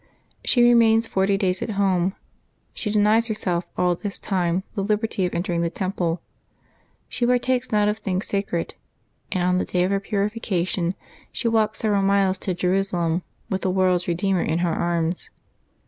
She remains forty days at home; she denies herself, all this time, the liberty of entering the Temple ; she partakes not of things sacred ; ajid on the day of her purification she walks several miles to Jerusalem, with the world's Eedeemer in her arms.